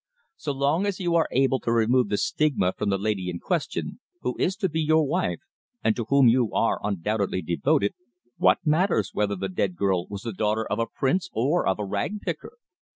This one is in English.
So long as you are able to remove the stigma from the lady in question, who is to be your wife, and to whom you are undoubtedly devoted, what matters whether the dead girl was the daughter of a prince or of a rag picker?